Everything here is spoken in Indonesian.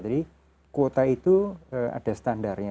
jadi kuota itu ada standarnya